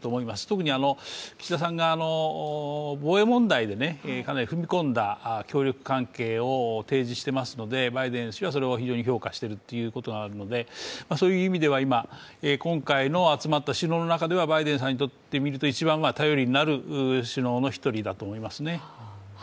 特に岸田さんが防衛問題でかなり踏み込んだ協力関係を提示していますのでバイデン氏はそれを非常に評価しているということなのでそういう意味では今回集まった首脳の中ではバイデンさんにとってみると一番頼りになる首脳の１人だと思いますね。